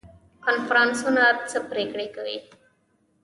کنفرانسونه څه پریکړې کوي؟